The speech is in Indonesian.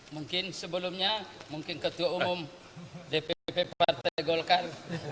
mungkin sebelumnya mungkin ketua umum dpp partai golkar